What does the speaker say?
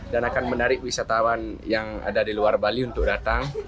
dan akan menarik wisatawan yang ada di luar bali untuk datang